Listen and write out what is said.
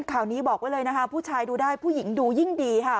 ข่าวนี้บอกไว้เลยนะคะผู้ชายดูได้ผู้หญิงดูยิ่งดีค่ะ